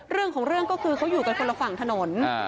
เรื่องของเรื่องก็คือเขาอยู่กันคนละฝั่งถนน